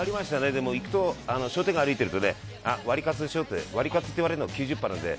でも商店街歩いてるとねワリカツでしょってワリカツって言われるのが９０％なので。